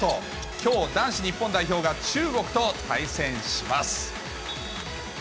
きょう、男子日本代表が中国と対戦します。